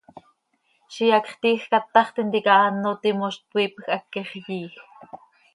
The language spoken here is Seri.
Ziix hacx tiij catax tintica áno timoz, tooipj, haquix yiij.